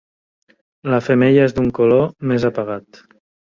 La femella és d'un color més apagat.